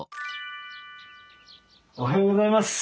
おはようございます。